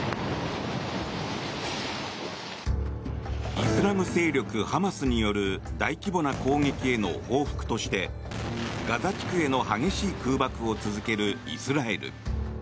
イスラム勢力ハマスによる大規模な攻撃への報復としてガザ地区への激しい空爆を続けるイスラエル。